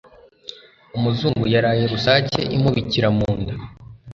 umuzungu yaraye rusake imubikira munda